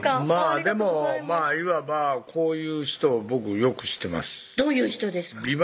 まぁでもいわばこういう人僕よく知ってますどういう人ですか？